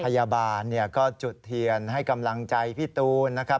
พยาบาลก็จุดเทียนให้กำลังใจพี่ตูนนะครับ